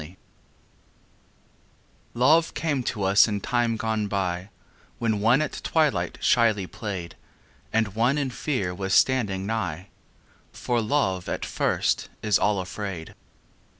XXX Love came to us in time gone by When one at twilight shyly played And one in fear was standing nighâ For Love at first is all afraid.